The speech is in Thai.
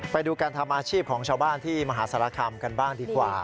ไปดูการทำอาชีพของชาวบ้านที่มหาสารคามกันบ้างดีกว่า